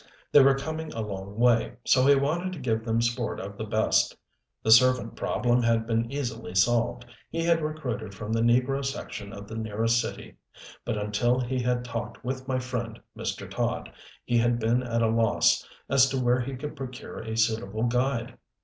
They were coming a long way so he wanted to give them sport of the best. The servant problem had been easily solved he had recruited from the negro section of the nearest city but until he had talked with my friend, Mr. Todd, he had been at a loss as to where he could procure a suitable guide.